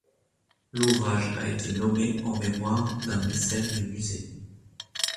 L'ouvrage a été nommé en mémoire d'un mécène du musée.